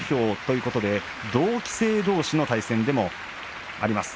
同期生どうしの対戦でありました。